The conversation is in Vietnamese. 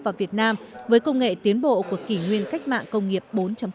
vào việt nam với công nghệ tiến bộ của kỷ nguyên cách mạng công nghiệp bốn